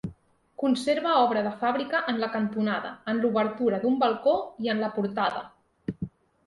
Conserva obra de fàbrica en la cantonada, en l'obertura d'un balcó i en la portada.